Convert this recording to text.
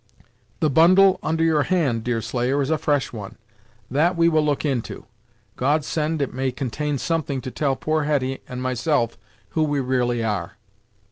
The bundle under your hand, Deerslayer, is a fresh one; that we will look into. God send it may contain something to tell poor Hetty and myself who we really are!"